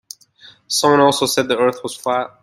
Some also said the earth was flat.